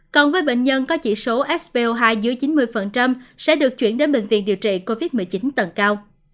còn với bệnh nhân có chỉ số sb hai dưới chín mươi sẽ được chuyển đến bệnh viện điều trị covid một mươi chín tầng cao